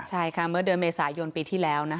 ใช่ค่ะเมื่อเดือนเมษายนปีที่แล้วนะคะ